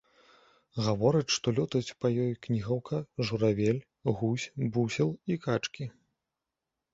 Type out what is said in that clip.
Гавораць, што лётаюць па ёй кнігаўка, журавель, гусь, бусел і качкі.